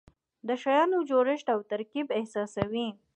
د شیانو جوړښت او ترکیب احساسوي.